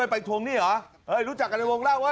ไปทวงหนี้เหรอจรับเรื่องบลงเล่า